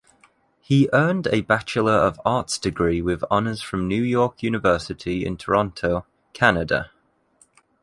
He earned a Bachelor of Arts degree with honors from York University in Toronto, Canada.